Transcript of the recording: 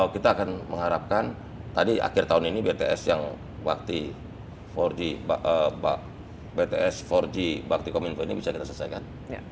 kita akan mengharapkan tadi akhir tahun ini bts yang waktu empat g bts empat g bakti kominfo ini bisa kita selesaikan